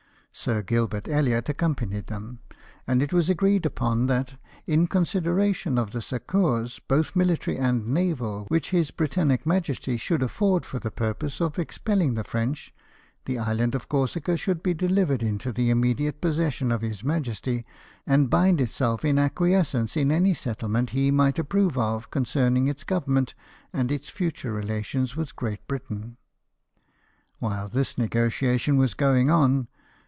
Sir Gilbert Elliot accompanied them: and it was agreed upon that, in consideration of the succours, both military and naval, which His Britannic Majesty should afford for the purpose of expelling the French, the island of Corsica should be delivered into the im mediate possession of His Majesty, and bind itself to acquiesce in any settlement he might approve of concerning its government and its future relation with Great Britain. A^Hiile this negotiation was going on.